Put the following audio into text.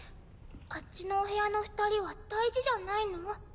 あっちのお部屋の二人は大事じゃないの？